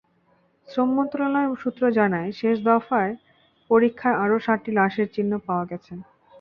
শ্রম মন্ত্রণালয় সূত্র জানায়, শেষ দফার পরীক্ষায় আরও সাতটি লাশের পরিচয় পাওয়া গেছে।